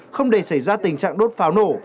không để xảy ra tình trạng đốt pháo nổ